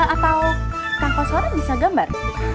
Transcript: atau kankau sore bisa gambar